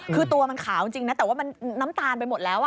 คือตัวมันขาวจริงนะแต่ว่ามันน้ำตาลไปหมดแล้ว